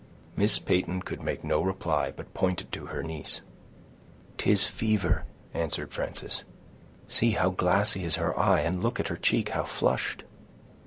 Miss Peyton could make no reply, but pointed to her niece. "'Tis fever," answered Frances; "see how glassy is her eye, and look at her cheek, how flushed."